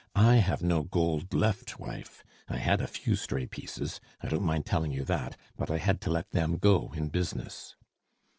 "I have no gold left, wife. I had a few stray pieces I don't mind telling you that but I had to let them go in business."